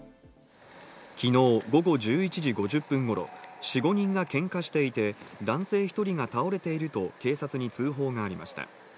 昨日午後１１時５０分頃、４５人がケンカしていて、男性１人が倒れていると警察に通報がありました。